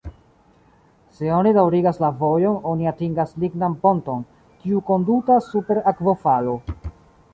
Se oni daŭrigas la vojon oni atingas lignan ponton, kiu kondutas super akvofalo.